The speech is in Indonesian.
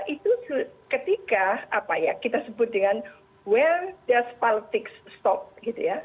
itu ketika kita sebut dengan where does politics stop gitu ya